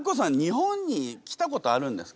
日本に来たことあるんですか？